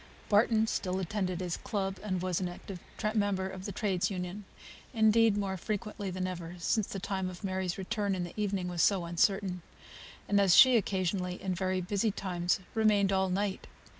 Barton still attended his club, and was an active member of a trades' union; indeed, more frequently than ever, since the time of Mary's return in the evening was so uncertain; and, as she occasionally, in very busy times, remained all night.